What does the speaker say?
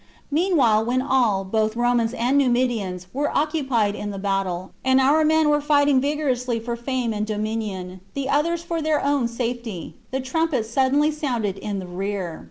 Meanwhile, when all, both Romans and Numidians, were occupied in the battle, and our men were fighting vigorously for fame and dominion, the others for their own safety, the trumpets suddenly sounded in the rear.